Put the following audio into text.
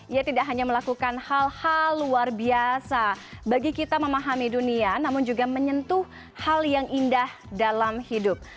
ia tidak hanya melakukan hal hal luar biasa bagi kita memahami dunia namun juga menyentuh hal yang indah dalam hidup